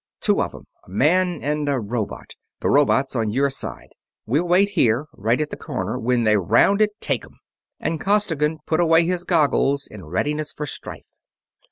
"Two of 'em, a man and a robot the robot's on your side. We'll wait here, right at the corner when they round it take 'em!" and Costigan put away his goggles in readiness for strife.